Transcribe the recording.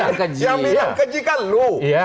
yang bilang keji kan anda